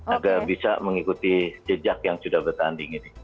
agar bisa mengikuti jejak yang sudah bertanding ini